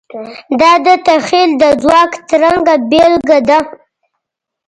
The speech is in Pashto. دا د تخیل د ځواک څرګنده بېلګه ده.